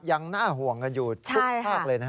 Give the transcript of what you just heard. ยังน่าห่วงกันอยู่ทุกภาคเลยนะฮะ